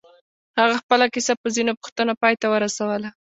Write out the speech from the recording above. هغه خپله کيسه په ځينو پوښتنو پای ته ورسوله.